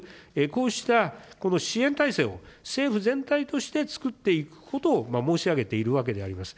こうした支援体制を政府全体として作っていくことを申し上げているわけであります。